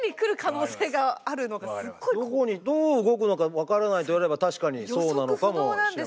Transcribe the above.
クモってどこにどう動くのか分からないと言われれば確かにそうなのかもしれませんね。